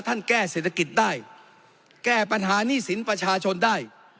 แก้เศรษฐกิจได้แก้ปัญหาหนี้สินประชาชนได้